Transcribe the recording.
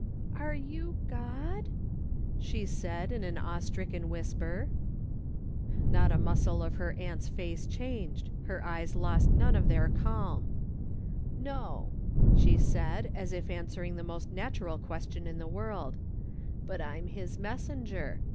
" Are you God ?" she asked, in an awe stricken whisper. 170 ^/^:s. solo a/on smith looking on. Not a muscle of her aunt's face changed, her eyes lost none of their calm. " No," she said, as if answering the most natural question in the world ;" but I'm his messenger.